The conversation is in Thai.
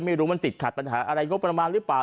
ไม่รู้มันติดขัดปัญหาอะไรงบประมาณหรือเปล่า